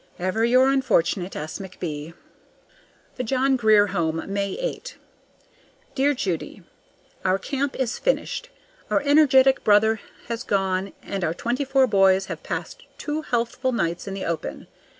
Ever your unfortunate, S. McB. THE JOHN GRIER HOME, May 8. Dear Judy: Our camp is finished, our energetic brother has gone, and our twenty four boys have passed two healthful nights in the open.